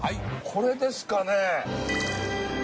これですかね？